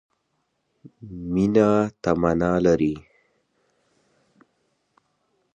مينه تمنا لري